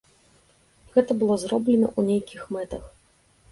Гэта было зроблена ў нейкіх мэтах.